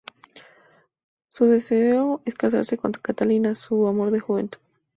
Su deseo es casarse con Catalina, su amor de juventud.